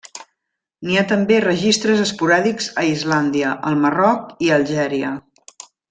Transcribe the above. N'hi ha també registres esporàdics a Islàndia, el Marroc i Algèria.